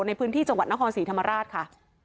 ในพื้นที่จังหวัดนครศรีธรรมราชค่ะ